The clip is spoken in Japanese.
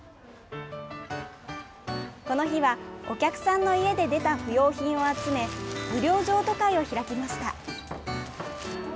この日は、お客さんの家で出た不用品を集め無料譲渡会を開きました。